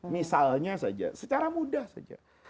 misalnya saja secara mudah saja